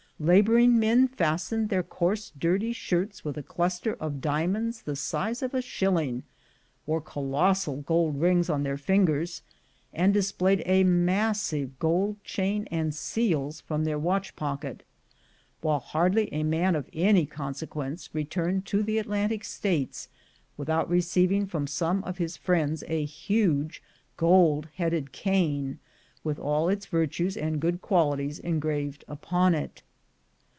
Laboring men fastened their coarse dirty shirts with a cluster of diamonds the size of a shilling, wore colossal gold rings on their fingers, and displayed a massive gold chain and seals from their watch pocket; while hardly a man of any consequence returned to the Atlantic States without receiving from some one of his friends a huge gold headed cane, with all his virtues and good qualities engraved upon it.